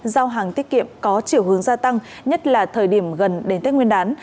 giao hàng tiết kiệm có chiều hướng gia tăng nhất là thời điểm gần đến tết nguyên đán